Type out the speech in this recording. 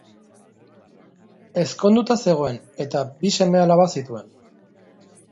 Ezkonduta zegoen, eta bi seme-alaba zituen.